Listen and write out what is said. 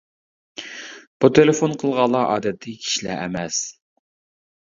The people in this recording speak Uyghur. بۇ تېلېفون قىلغانلار ئادەتتىكى كىشىلەر ئەمەس.